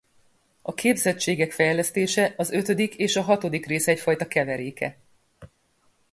A képzettségek fejlesztése az ötödik és a hatodik rész egyfajta keveréke.